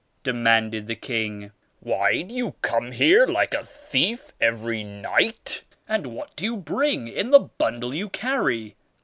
demanded the king. Why do you come here like a thief every night and what do you bring in the bundle you carry?'